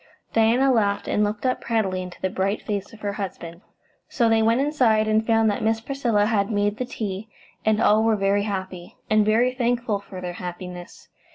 Diana laughed, and looked up proudly into the bright face of her husband. So they went inside, and found that Miss Priscilla had made the tea, and all were very happy, and very thankful for their happiness.